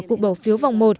cuộc bỏ phiếu vòng một